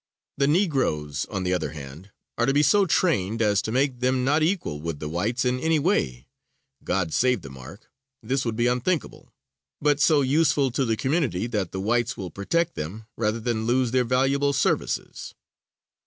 The Negroes, on the other hand, are to be so trained as to make them, not equal with the whites in any way God save the mark! this would be unthinkable! but so useful to the community that the whites will protect them rather than to lose their valuable services.